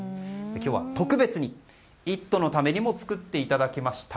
今日は特別に「イット！」のためにも作っていただきました。